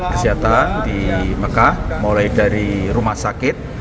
kesehatan di mekah mulai dari rumah sakit